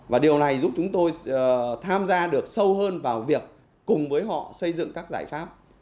và điều này giúp chúng tôi tham gia được sâu hơn vào việc cùng với họ xây dựng các giải pháp